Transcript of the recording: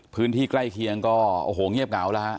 พื้นที่ใกล้เคียงก็โอ้โหเงียบเหงาแล้วฮะ